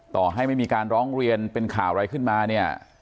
ต่อให้ไม่มีการร้องเรียนเป็นข่าวอะไรขึ้นมาเนี่ย